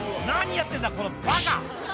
何やってんだこのバカ！」